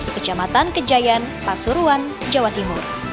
kejamatan kejayaan pasuruan jawa timur